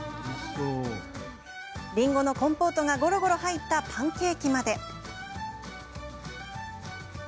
りんごのコンポートがゴロゴロ入ったパンケーキまで。